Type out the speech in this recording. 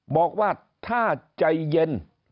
บอกว่าถ้าใจเย็น